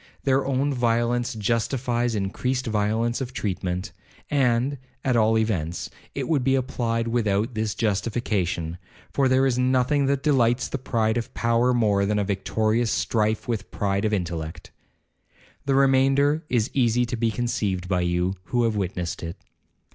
Their own violence justifies increased violence of treatment; and, at all events, it would be applied without this justification, for there is nothing that delights the pride of power, more than a victorious strife with the pride of intellect. The remainder is easily to be conceived by you, who have witnessed it.